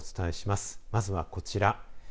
まずはこちら。